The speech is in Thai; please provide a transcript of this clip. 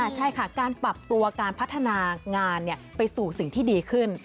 ใช่ค่ะการปรับตัวการพัฒนางานไปสู่สิ่งที่ดีขึ้น